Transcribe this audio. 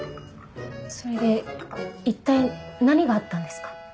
それで一体何があったんですか？